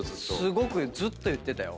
すごくずっと言ってたよ。